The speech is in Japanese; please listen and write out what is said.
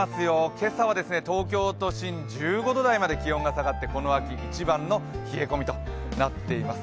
今朝は東京都心、１５度台まで気温が下がってこの秋一番の冷え込みとなっています。